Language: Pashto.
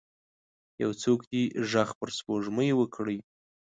یو څوک دې ږغ پر سپوږمۍ وکړئ